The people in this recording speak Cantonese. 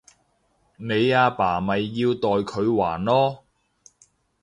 你阿爸咪要代佢還囉